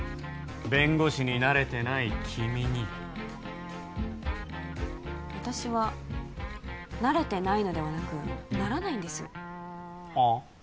弁護士になれてない君に私はなれてないのではなくならないんですはあ？